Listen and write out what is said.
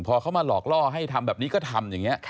พอเขามาหลอกล่อให้ทำแบบนี้ก็ทำอย่างนี้